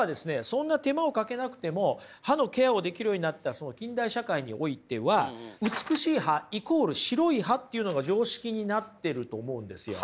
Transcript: そんな手間をかけなくても歯のケアをできるようになった近代社会においては美しい歯＝白い歯っていうのが常識になってると思うんですよ。